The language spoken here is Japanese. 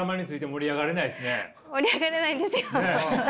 盛り上がれないんですよ。